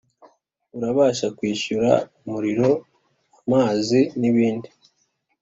Urabasha kwishyura umuriro amazi n’ibindi